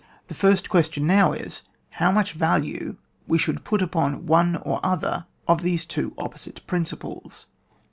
The first question now is, how much value we should put upon one or other of these two opposite principles